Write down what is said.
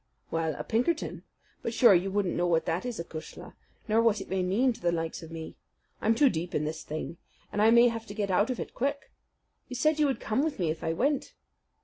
"Well, a Pinkerton. But, sure, you wouldn't know what that is, acushla, nor what it may mean to the likes of me. I'm too deep in this thing, and I may have to get out of it quick. You said you would come with me if I went."